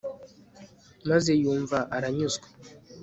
maze yumva aranyuzwe